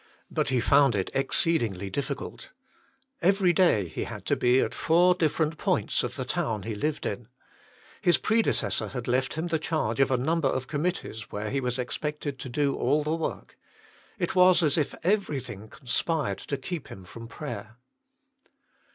But he found it exceedingly difficult. Every day he had to be at 16 THE MINISTRY OF INTERCESSION four different points of the town he lived in ; his predecessor had left him the charge of a number of committees where he was expected to do all the work ; it was as if everything conspired to keep him from prayer.